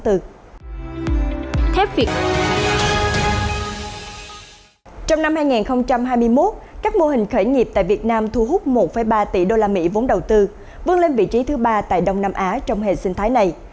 trong năm hai nghìn hai mươi một các mô hình khởi nghiệp tại việt nam thu hút một ba tỷ usd vốn đầu tư vươn lên vị trí thứ ba tại đông nam á trong hệ sinh thái này